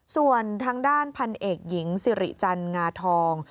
ส่วนทางด้านพันเอกหญิงสิริจันทร์งาทอง